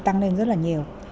tăng lên rất là nhiều